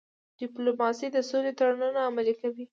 ډيپلوماسي د سولې تړونونه عملي کوي.